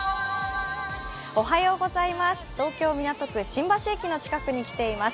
東京・港区新橋駅の近くに来ています。